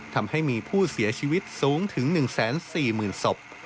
ทำให้มีผู้เสียชีวิตสูงถึง๑๔๐๐๐ศพ